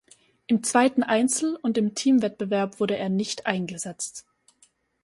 Im zweiten Einzel- und im Teamwettbewerb wurde er nicht eingesetzt.